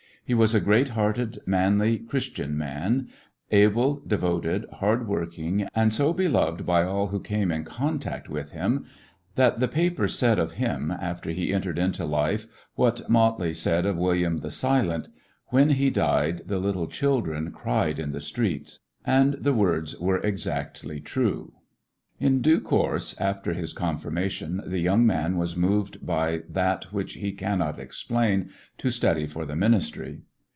He was a great hearted, manly. Christian man, able, devoted, hard working, and so beloved by all who came in contact with him that the papers said of him after he entered into life, what Motley said of William the Silent : "When he died the little children cried in the streets." And the words were exactly true. In due course, after his confirmation, the young man was moved by that which he can not explain to study for the ministry.